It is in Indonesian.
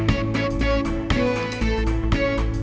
ayolah mau masuk